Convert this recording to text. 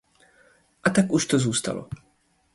A tak to už zůstalo.